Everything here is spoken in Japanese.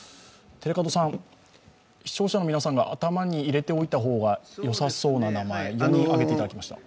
視聴者の皆さんが頭に入れておいた方が良さそうな名前４人あげていただきました。